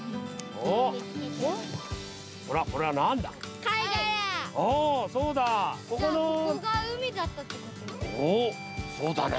おっ、そうだね。